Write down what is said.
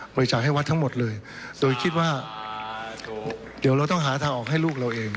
จ่ายให้วัดทั้งหมดเลยโดยคิดว่าเดี๋ยวเราต้องหาทางออกให้ลูกเราเอง